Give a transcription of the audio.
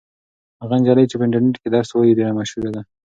هغه نجلۍ چې په انټرنيټ کې درس وایي ډېره مشهوره ده.